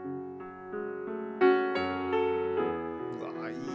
うわぁいい。